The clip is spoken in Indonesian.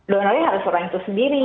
donaldnya harus orang itu sendiri